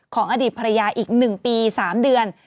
อดีตภรรยาอีก๑ปี๓เดือน